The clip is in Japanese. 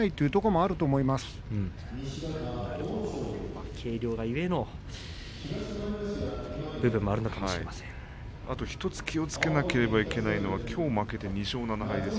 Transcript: あともう１つ気をつけなければいけないのがきょう負けて２勝７敗。